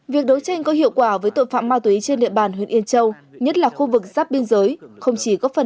việc đấu tranh có hiệu quả với tội phạm ma túy trên địa bàn huyện yên châu nhất là khu vực giáp biên giới